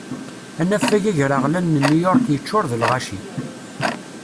Anafag agraɣlan n New York yeččur d lɣaci.